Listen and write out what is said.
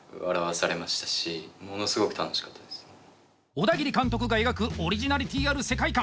オダギリ監督が描くオリジナリティーある世界観。